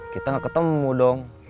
kita gak ketemu dong